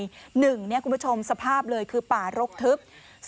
คุณผู้ชมสภาพเลยคือป่ารกทึบ